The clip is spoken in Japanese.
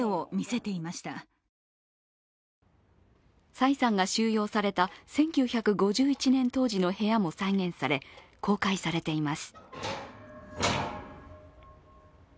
蔡さんが収容された１９５１年当時の部屋も再現され、公開されています。